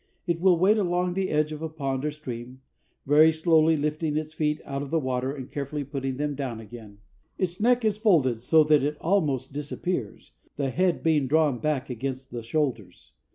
It will wade along the edge of a pond or stream, very slowly lifting its feet out of the water and carefully putting them down again. Its neck is folded so that it almost disappears, the head being drawn back against the shoulders.